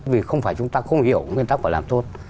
vì không phải chúng ta không hiểu nên ta phải làm tốt